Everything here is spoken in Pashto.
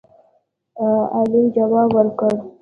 عالم جواب ورکړ